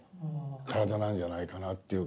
体なんじゃないかなっていうか。